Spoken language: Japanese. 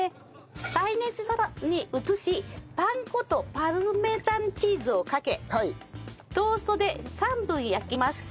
耐熱皿に移しパン粉とパルメザンチーズをかけトースターで３分焼きます。